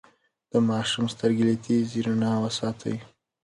د ماشوم سترګې له تیزې رڼا وساتئ.